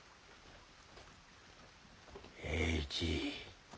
栄一。